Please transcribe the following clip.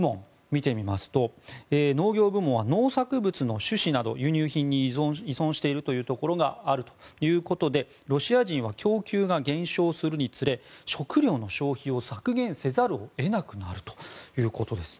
農業部門は農作物の種子など輸入品に依存しているところがあるということでロシア人は供給が減少するにつれ食料の消費を削減せざるを得なくなるということです。